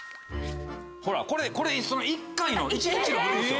ほらこれ１回の１日のブログですよ。